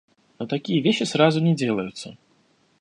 Но такие вещи сразу не делаются.